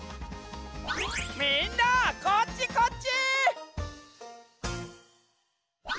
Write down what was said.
みんなこっちこっち！